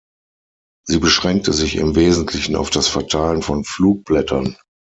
Sie beschränkte sich im Wesentlichen auf das Verteilen von Flugblättern.